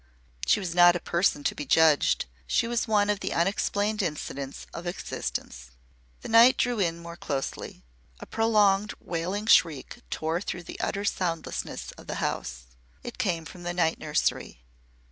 She was not a person to be judged she was one of the unexplained incidents of existence. The night drew in more closely. A prolonged wailing shriek tore through the utter soundlessness of the house. It came from the night nursery.